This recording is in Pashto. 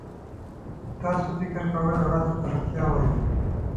چې تاسو فکر کوئ هغه درته رښتیا وایي.